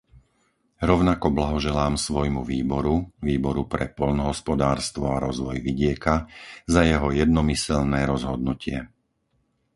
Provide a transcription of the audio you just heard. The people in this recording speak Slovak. Rovnako blahoželám svojmu výboru, Výboru pre poľnohospodárstvo a rozvoj vidieka, za jeho jednomyseľné rozhodnutie.